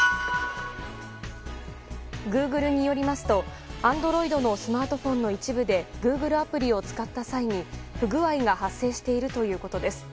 グーグルによりますとＡｎｄｒｏｉｄのスマートフォンの一部でグーグルアプリを使った際に不具合が発生しているということです。